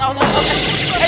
ya toh kan